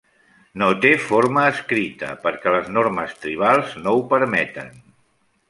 No té forma escrita perquè les normes tribals no ho permeten.